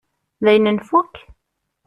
Dayen nfukk?